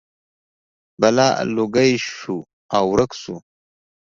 بلا لوګی شو او ورک شو.